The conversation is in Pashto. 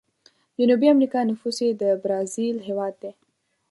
جنوبي امريکا نفوس یې د برازیل هیواد دی.